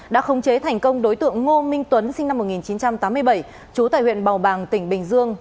đã khống chế thành công đối tượng ngô minh tuấn sinh năm một nghìn chín trăm tám mươi bảy trú tại huyện bào bàng tỉnh bình dương